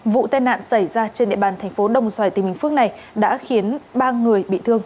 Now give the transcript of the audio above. vụ tai nạn xảy ra trên địa bàn thành phố đồng xoài tỉnh bình phước này đã khiến ba người bị thương